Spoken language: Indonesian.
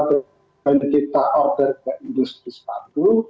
dan kita order ke industri sepatu